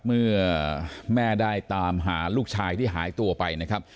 เมื่อแม่ได้ตามหาลูกชายที่หายตัวไปนะครับ